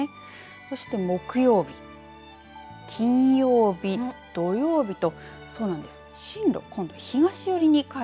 そして木曜日金曜日土曜日と。